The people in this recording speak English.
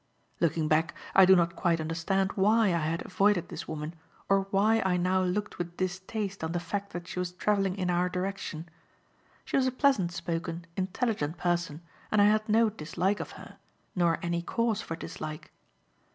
Looking back, I do not quite understand why I had avoided this woman or why I now looked with distaste on the fact that she was travelling in our direction. She was a pleasant spoken, intelligent person, and I had no dislike of her, nor any cause for dislike.